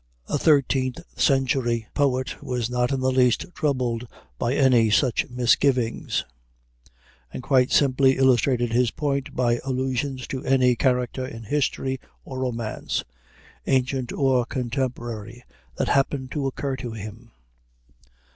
A thirteenth century poet was not in the least troubled by any such misgivings, and quite simply illustrated his point by allusions to any character in history or romance, ancient or contemporary, that happened to occur to him.